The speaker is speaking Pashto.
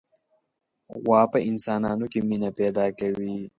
غوا په انسانانو کې مینه پیدا کوي.